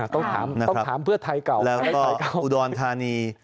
ต้องถามเพื่อไทยเก่าและไทยเก่าอุดรธานี